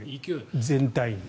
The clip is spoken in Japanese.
全体に。